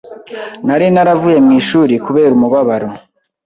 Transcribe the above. Nari naravuye mu ishuri kubera umubabaro